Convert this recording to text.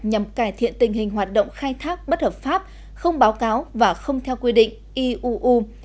nhằm cải thiện tình hình hoạt động khai thác bất hợp pháp không báo cáo và không theo quy định iuu